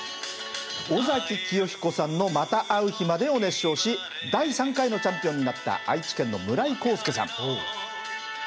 尾崎紀世彦さんの「またう日まで」を熱唱し第３回のチャンピオンになった愛知県の村井孝輔さん。